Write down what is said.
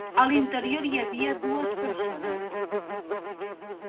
A l’interior hi havia dues persones.